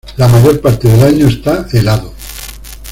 La mayor parte del año está helado.